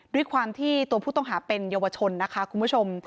ด้วยความที่ตัวผู้ต้องหาเป็นเยาวชนนะคะคุณผู้ชม